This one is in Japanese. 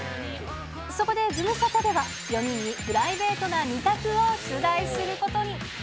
そこでズムサタでは、４人にプライベートな２択を出題することに。